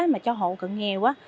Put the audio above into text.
mà cho hộ cận nghèo